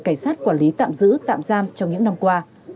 cảnh sát quản lý tạm giữ tạm giam trong những năm qua